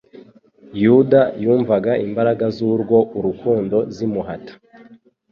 Yuda yumvaga imbaraga z'urwo urukundo zimuhata.